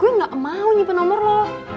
gue gak mau nyimpen nomor lo